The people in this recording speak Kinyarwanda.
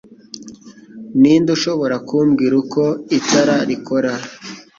Ninde ushobora kumbwira uko itara rikora?